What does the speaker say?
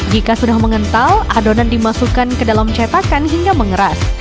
jika sudah mengental adonan dimasukkan ke dalam cetakan hingga mengeras